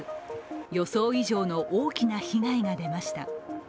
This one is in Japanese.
予想以上の大きな被害が出ました。